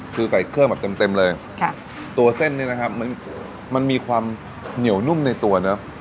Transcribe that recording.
คือใส่เครื่องแบบเต็มเต็มเลยค่ะตัวเส้นนี้นะครับมันมันมีความเหนียวนุ่มในตัวเนอะ